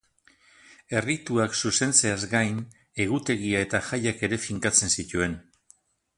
Errituak zuzentzeaz gain, egutegia eta jaiak ere finkatzen zituen.